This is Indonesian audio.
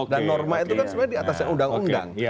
dan norma itu kan sebenarnya diatasnya undang undang